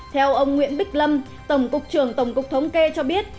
theo ông nguyễn bích lâm tổng cục trưởng tổng cục thống kê cho biết